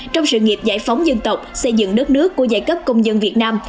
trong sự nghiệp giải phóng dân tộc xây dựng đất nước của giai cấp công dân việt nam